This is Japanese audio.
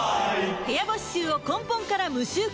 部屋干し臭を根本から無臭化